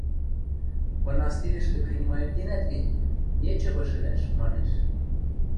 – Мынастирӹшкӹ принимайыктенӓт гӹнь, нечывы шӹлӓш... – манеш.